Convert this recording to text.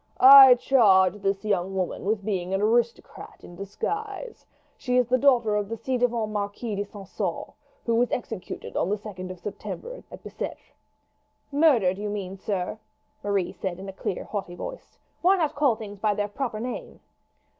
"I charge this young woman with being an aristocrat in disguise. She is the daughter of the ci devant Marquis de St. Caux, who was executed on the 2d of September at Bicetre." "Murdered, you mean, sir," Marie said in a clear haughty voice. "Why not call things by their proper name?"